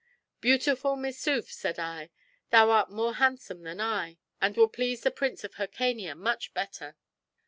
Beautiful Missouf, said I, thou art more handsome than I, and will please the Prince of Hircania much better.